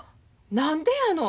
何でやの。